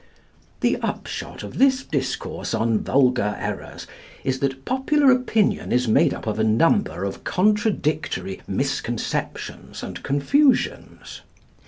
The upshot of this discourse on vulgar errors is that popular opinion is made up of a number of contradictory misconceptions and confusions.